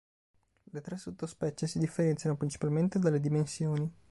Le tre sottospecie si differenziano principalmente dalle dimensioni.